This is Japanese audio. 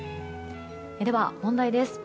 では、問題です。